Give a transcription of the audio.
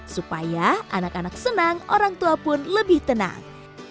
supaya anak anak senang orang tua pun lebih tenang